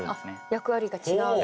役割が違うんだ。